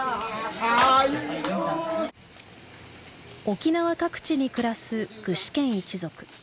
沖縄各地に暮らす具志堅一族。